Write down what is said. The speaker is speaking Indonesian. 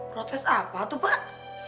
protes apa tuh pak